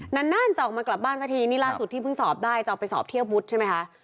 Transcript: นานจะออกมากลับบ้านสักทีนี่ล่าสุดที่เพิ่งสอบได้จะเอาไปสอบเทียบวุฒิใช่ไหมคะ